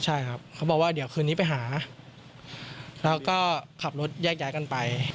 ใช่ครับเขาบอกว่าเดี๋ยวคืนนี้ไปหาแล้วก็ขับรถแยกย้ายกันไป